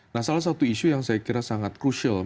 nah salah satu isu yang saya kira sangat crucial